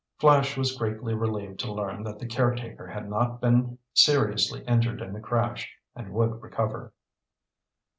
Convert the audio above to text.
Flash was greatly relieved to learn that the caretaker had not been seriously injured in the crash and would recover.